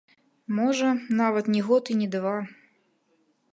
Можа, нават не год і не два.